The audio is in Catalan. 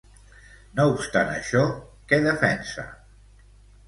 No obstant això, què defensa?